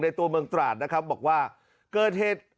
ตัวเมืองตราดนะครับบอกว่าเกิดเหตุ